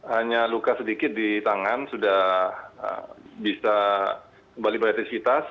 hanya luka sedikit di tangan sudah bisa kembali beraktifitas